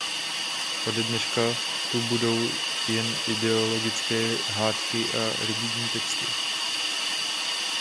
Ode dneška tu budou jen ideologické hádky o rigidní texty.